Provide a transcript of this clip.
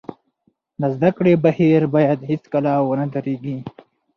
د زده کړې بهیر باید هېڅکله ونه درېږي.